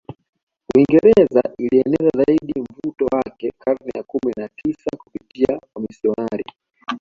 Uingereza ilieneza zaidi mvuto wake karne ya kumi na tisa kupitia wamisionari